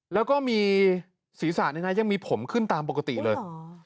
แล้วก็มีศีรษะยังมีผมขึ้นตามปกติเลย